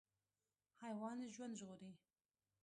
حیوان ژوند ژغوري.